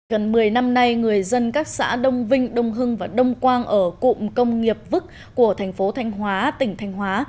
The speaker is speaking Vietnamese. gần một mươi năm nay người dân các xã đông vinh đông hưng và đông quang ở cụm công nghiệp vức của thành phố thanh hóa tỉnh thanh hóa